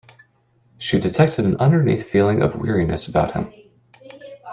She detected an underneath feeling of weariness about him.